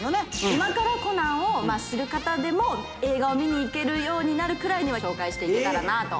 今から『コナン』を知る方でも映画を見に行けるようになるくらいには紹介して行けたらなと。